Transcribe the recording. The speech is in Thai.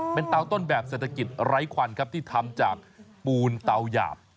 เป็นเตาต้นแบบเศรษฐกิจไร้ควันครับที่ทำจากปูนเตาหยาบ